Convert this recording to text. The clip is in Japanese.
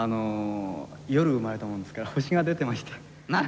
夜、生まれたものですから星が出てました。